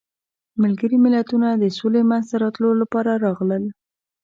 ملګري ملتونه د سولې منځته راتلو لپاره راغلل.